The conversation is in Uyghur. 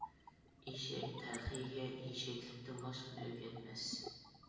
ئېشەك تەخىيىگە ئېشەكلىكتىن باشقىنى ئۆگەتمەس.